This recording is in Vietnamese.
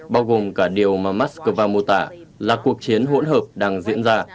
bao gồm cả điều mà moscow mô tả là cuộc chiến hỗn hợp đang diễn ra